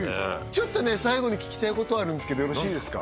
ちょっとね最後に聞きたいことあるんですけどよろしいですか